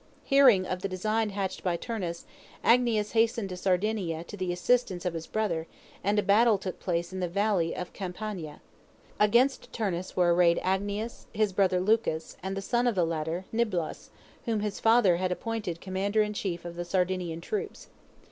Hearing of the design hatched by Turnus, Agnias hastened to Sardinia to the assistance of his brother, and a battle took place in the Valley of Campania. Against Turnus were arrayed Agnias, his brother Lucus, and the son of the latter, Niblos, whom his father had appointed commander in chief of the Sardinian troops.